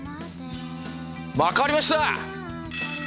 わかりました！